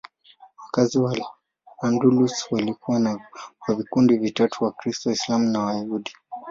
Wakazi wa Al-Andalus walikuwa wa vikundi vitatu: Wakristo, Waislamu na Wayahudi.